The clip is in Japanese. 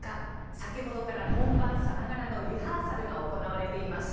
先ほどから本番さながらのリハーサルが行われています。